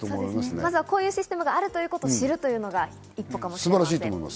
まずはこういうシステムがあるということを知るのが第一歩かもしれませんね。